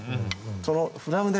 そのフラムで。